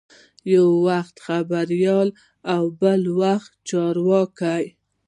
یو وخت خبریال او بل وخت چارواکی.